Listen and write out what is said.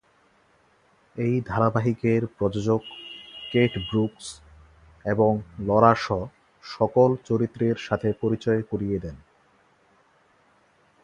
এই ধারাবাহিকের প্রযোজক কেট ব্রুকস এবং লরা শ সকল চরিত্রের সাথে পরিচয় করিয়ে দেন।